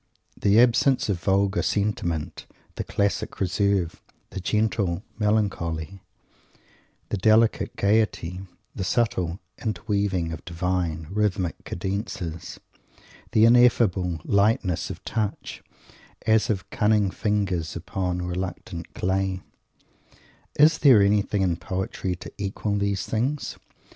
The absence of vulgar sentiment, the classic reserve, the gentle melancholy, the delicate gaiety, the subtle interweaving of divine, rhythmic cadences, the ineffable lightness of touch, as of cunning fingers upon reluctant clay; is there anything in poetry to equal these things?